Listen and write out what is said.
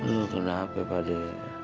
lu kenapa pak be